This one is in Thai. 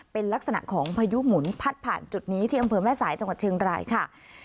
เป็นลักษณะของพายุหมุนพัดผ่านจุดนี้ที่อำเภอแม่สายจังหวัดเชียงรายค่ะ